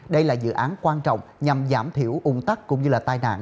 đây là dự án quan trọng nhằm giảm thiểu ủng tắc cũng như là tai nạn